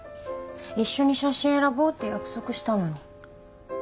一緒に写真選ぼうって約束したのに。